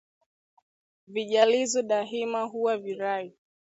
Vijalizo daima huwa virai